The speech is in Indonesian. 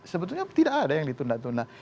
sebetulnya tidak ada yang ditunda tunda